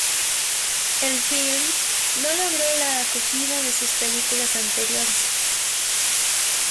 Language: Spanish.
El filme no logró la acogida de sus películas anteriores.